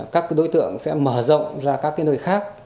các đối tượng sẽ mở rộng ra các nơi khác